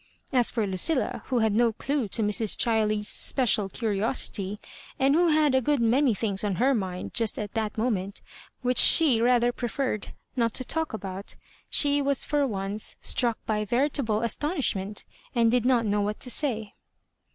As for Lucilla, wj^ had no clue to Mrs. Chiley's special curiosity, and who had a good many things on her mind just at that moment which she rather preferred not to talk about, she was for once struck by veritable astonishment, and did not know what to say.